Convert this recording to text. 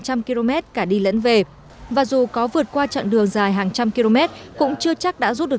một trăm linh km cả đi lẫn về và dù có vượt qua chặng đường dài hàng trăm km cũng chưa chắc đã rút được